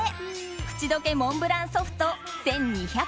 口どけモンブランソフト１２００円。